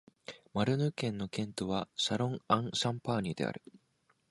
マルヌ県の県都はシャロン＝アン＝シャンパーニュである